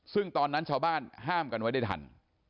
ซึ่งตอนนั้นชาวบ้านห้ามกันไว้ได้ทัน